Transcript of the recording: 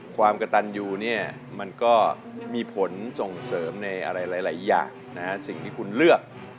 ความกระตันยูเนี่ยมันก็มีผลส่งเสริมในอะไรหลายอย่างสิ่งที่คุณเลือก